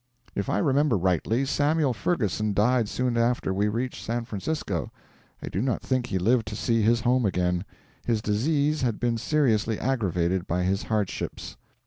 If I remember rightly, Samuel Ferguson died soon after we reached San Francisco. I do not think he lived to see his home again; his disease had been seriously aggravated by his hardships.